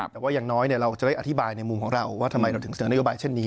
แต่ว่าอย่างน้อยเราจะได้อธิบายในมุมของเราว่าทำไมเราถึงเสนอนโยบายเช่นนี้